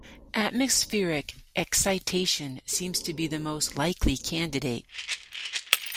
Atmospheric excitation seems to be the most likely candidate.